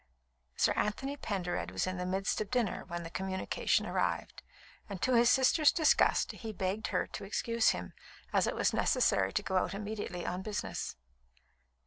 Sir Anthony Pendered was in the midst of dinner when the communication arrived, and to his sister's disgust he begged her to excuse him, as it was necessary to go out immediately on business.